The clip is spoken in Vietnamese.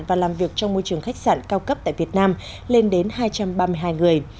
và làm việc trong môi trường khách sạn cao cấp tại việt nam lên đến hai trăm ba mươi hai người